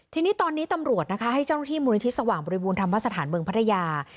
ทีนี้ตอนนี้ตำรวจนะคะให้เจ้าหน้าที่มูลนิธิสว่างบริบูรณธรรมสถานเมืองพัทยา